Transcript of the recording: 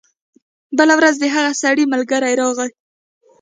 بله ورځ د هغه سړي ملګری راغی.